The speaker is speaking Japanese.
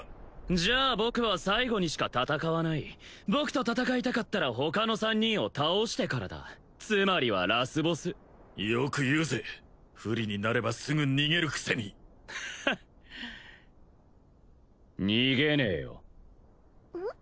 じゃあ僕は最後にしか戦わない僕と戦いたかったら他の３人を倒してからだつまりはラスボスよく言うぜ不利になればすぐ逃げるくせにフッ逃げねえようん？